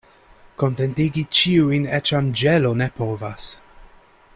Kontentigi ĉiujn eĉ anĝelo ne povas.